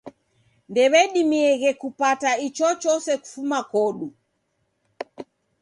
Ndew'eredimieghe kupata ichochose kufuma kodu.